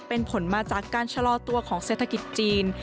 เป็นผลมาจากการชะลอตัวของเศรษฐกิจจีน